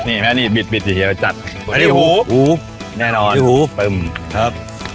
นี่มั้ยอันนี้บิดบิดอย่างเฮียมาจัดอันนี้หูหูแน่นอนอันนี้หูปึ้มครับ